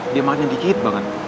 dia makannya dikit banget